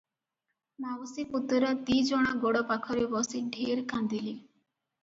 ମାଉସୀ ପୁତୁରା ଦି'ଜଣ ଗୋଡ଼ ପାଖରେ ବସି ଢେର କାନ୍ଦିଲେ ।